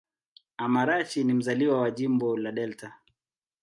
Amarachi ni mzaliwa wa Jimbo la Delta.